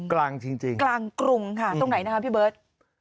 กลางจริงกลางกรุงค่ะตรงไหนนะคะพี่เบิร์ต